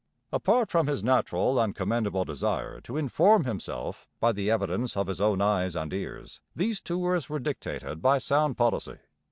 Apart from his natural and commendable desire to inform himself by the evidence of his own eyes and ears, these tours were dictated by sound policy.